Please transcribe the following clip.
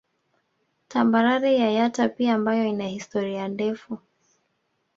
Tambarare ya Yatta pia ambayo ina historia ndefu